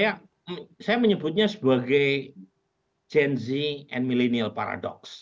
jadi saya menyebutnya sebagai gen z and millennial paradox